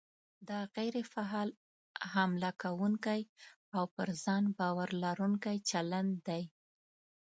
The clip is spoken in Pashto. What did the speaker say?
دا غیر فعال، حمله کوونکی او پر ځان باور لرونکی چلند دی.